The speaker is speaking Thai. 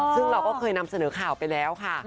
ซึ่งเราก็เคยนำเสนอข่าวไปแล้วค่ะ